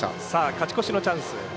勝ち越しのチャンス。